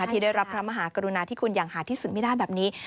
ที่ได้รับพระมหากรุณาที่คุณอย่างหาที่สุดไม่ได้แบบนี้